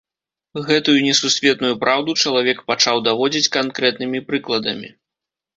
Гэтую несусветную праўду чалавек пачаў даводзіць канкрэтнымі прыкладамі.